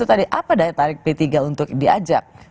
apa daya tawar p tiga untuk diajak